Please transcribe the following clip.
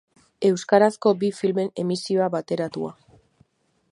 Euskarazko bi filmen emisio bateratua.